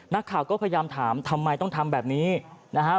นักข่าวก็พยายามถามทำไมต้องทำแบบนี้นะฮะ